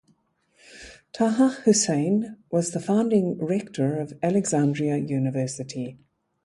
Taha Hussein was the founding rector of Alexandria University.